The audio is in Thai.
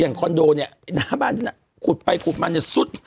อย่างคอนโดเนี่ยหน้าบ้านขุดไปขุดมาเนี่ยสุด